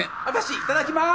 いただきまーす